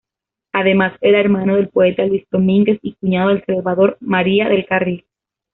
Además, era hermano del poeta Luis Domínguez y cuñado de Salvador María del Carril.